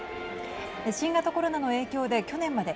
新型コロナの影響で、去年まで